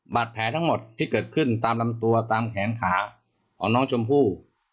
แผลทั้งหมดที่เกิดขึ้นตามลำตัวตามแขนขาของน้องชมพู่